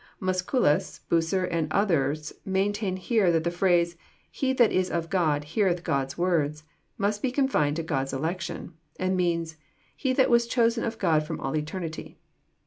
Musculus, Bucer, and others maintain here that the phrase, " He that is of God, heareth God's Words," mast be confined to God's election ; and means, He that was chosen of God from all eternity."